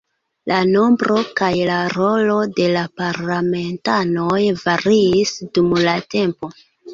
La nombro kaj la rolo de la parlamentanoj variis dum la tempo.